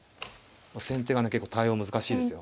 先手がね結構対応難しいですよ。